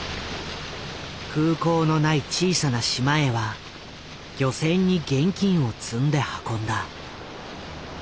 空港のない小さな島へは漁船に現金を積んで運んだ。